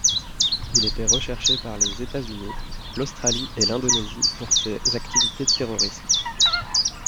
Il était recherché par les États-Unis, l'Australie et l'Indonésie pour ses activités terroristes.